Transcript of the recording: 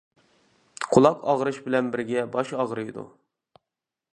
قۇلاق ئاغرىش بىلەن بىرگە باش ئاغرىيدۇ.